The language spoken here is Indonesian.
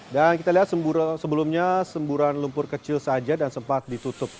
dan kita lihat sebelumnya semburan lumpur kecil saja dan sempat ditutup